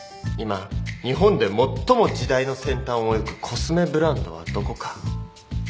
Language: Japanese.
今日本で最も時代の先端を行くコスメブランドはどこか？